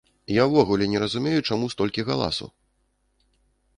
Я ўвогуле не разумею, чаму столькі галасу?